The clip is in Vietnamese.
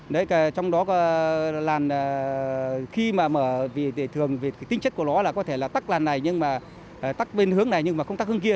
đấy trong đó làn khi mà mở vì tình chất của nó là có thể tắc bên hướng này nhưng mà không tắc hướng kia